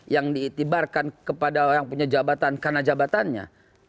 yang diitibarkan kepada orang punya jabatan karena jabatannya